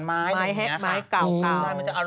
ไม้เคาะ